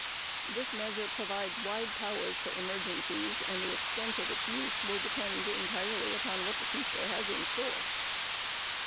This measure provides wide powers for emergencies. The extent of its use will depend entirely upon what the future has in store.